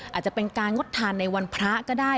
อาจจะเป็นการงดทานในวันพระก็ได้